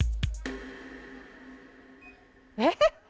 えっ？